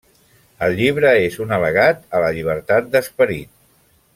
El llibre és un al·legat a la llibertat d'esperit.